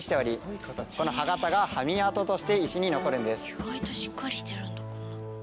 意外としっかりしてるんだこんな。